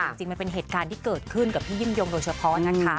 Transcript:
จริงมันเป็นเหตุการณ์ที่เกิดขึ้นกับพี่ยิ่งยงโดยเฉพาะนะคะ